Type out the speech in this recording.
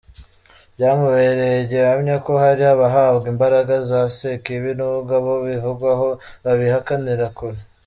Byamubereye gihamya ko hari abahabwa imbaraga za sekibi nubwo abo bivugwaho babihakanira kure.